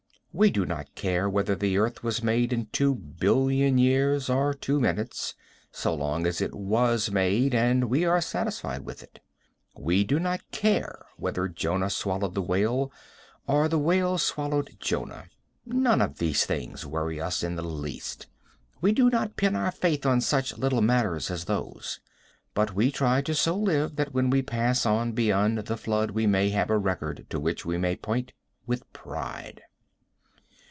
We do not care whether the earth was made in two billion years or two minutes, so long as it was made and we are satisfied with it. We do not care whether Jonah swallowed the whale or the whale swallowed Jonah. None of these things worry us in the least. We do not pin our faith on such little matters as those, but we try to so live that when we pass on beyond the flood we may have a record to which we may point with pride.